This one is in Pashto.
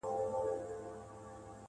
رانه هېريږي نه خيالونه هېرولاى نه ســم,